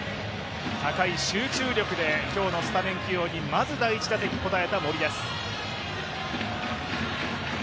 高い集中力で今日のスタメン起用に応えた森です。